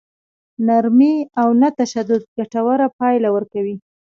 نرمي او نه تشدد ګټوره پايله ورکوي.